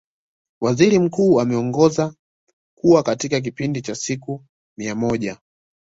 Waziri Mkuu ameongeza kuwa katika kipindi cha siku mia moja